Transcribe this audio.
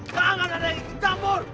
jangan ada yang ikut campur